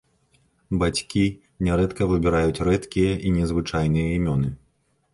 Бацькі нярэдка выбіраюць рэдкія і незвычайныя імёны.